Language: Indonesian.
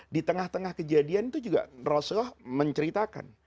di tengah tengah kejadian itu juga rasulullah menceritakan